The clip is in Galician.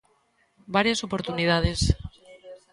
Varias oportunidades.